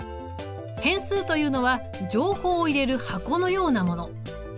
変数というのは情報を入れる箱のようなもの。